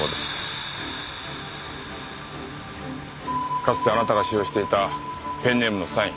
かつてあなたが使用していたペンネームのサイン